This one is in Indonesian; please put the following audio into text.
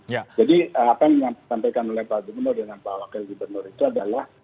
jadi apa yang disampaikan oleh pak demeno dan pak wakil gubernur itu adalah